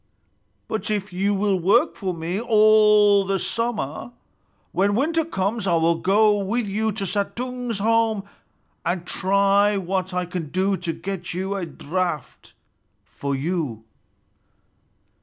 But if you will work for me all the summer, when winter comes I will go with you to Suttung's home and try what I can do to get a draught for you."